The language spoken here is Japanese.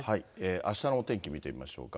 あしたのお天気見てみましょうか。